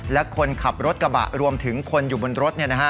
และคนขับรถกระบะรวมถึงคนอยู่บนรถ